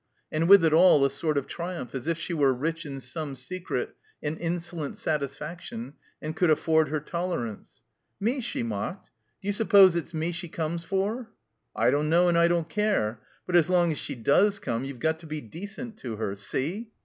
And with it all a sort of triumph, as if she were rich in some secret and insolent satisfaction and could afford her tolerance. "Me?" she mocked. Do you suppose it's me she comes for?" ''I don't know and I don't care. But as long as she does come you've got to be decent to her. See